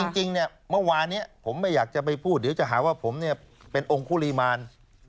จริงเนี่ยเมื่อวานนี้ผมไม่อยากจะไปพูดเดี๋ยวจะหาว่าผมเป็นองค์คุริมาร